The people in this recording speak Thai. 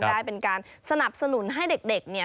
ได้เป็นการสนับสนุนให้เด็ก